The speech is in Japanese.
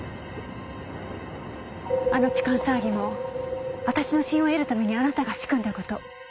あの痴漢騒ぎも私の信用を得るためにあなたが仕組んだこと。